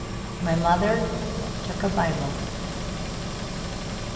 My mother took a Bible.